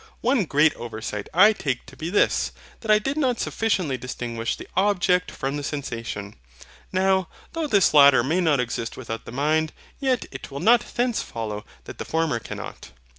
One great oversight I take to be this that I did not sufficiently distinguish the OBJECT from the SENSATION. Now, though this latter may not exist without the mind, yet it will not thence follow that the former cannot.